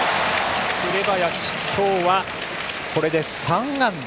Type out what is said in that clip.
紅林、今日はこれで３安打。